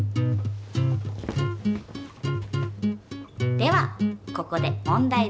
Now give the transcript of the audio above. ではここで問題です。